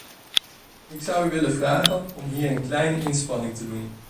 Ik zou u willen vragen om hier een kleine inspanning te doen.